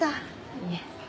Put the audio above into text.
いえ。